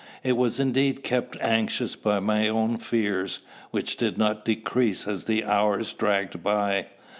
I was indeed kept anxious by my own fears, which did not decrease as the hours dragged by.